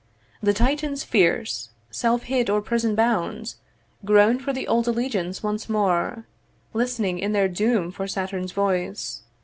'The Titans fierce, self hid or prison bound, 'Groan for the old allegiance once more, 'Listening in their doom for Saturn's voice.